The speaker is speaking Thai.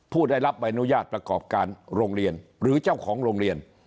ผู้ได้รับใบอนุญาตประกอบการโรงเรียนหรือเจ้าของโรงเรียน